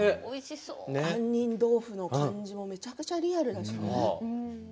杏仁豆腐の感じもめちゃくちゃリアルだしね。